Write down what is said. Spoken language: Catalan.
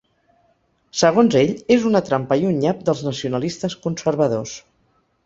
Segons ell, és una trampa i un nyap dels nacionalistes conservadors.